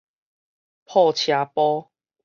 破車埔